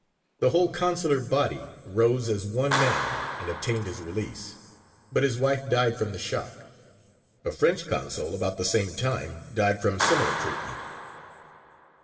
The whole consular body rose as one man and obtained his release, but his wife died from the shock. A French consul about the same time died from similar treatment.